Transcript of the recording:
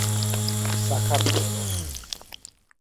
საქართველო